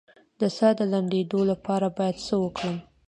د ساه د لنډیدو لپاره باید څه وکړم؟